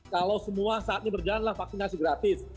kalau semua saat ini berjalan lah vaksinasi gratis